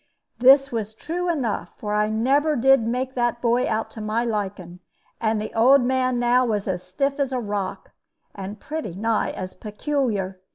"This was true enough, for I never did make that boy out to my liking: and the old man now was as stiff as a rock, and pretty nigh as peculiar.